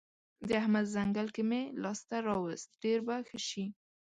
د احمد ځنګل که مې لاس ته راوست؛ ډېر به ښه شي.